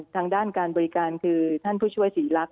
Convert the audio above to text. ทางด้านการบริการคือท่านผู้ช่วยศรีลักษ